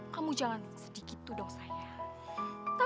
kamu jangan sedikit tuh dong sayangnya